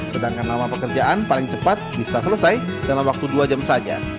sedangkan nama pekerjaan paling cepat bisa selesai dalam waktu dua jam saja